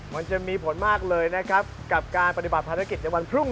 มันจะมีผลมากเลยนะครับกับการปฏิบัติภารกิจในวันพรุ่ง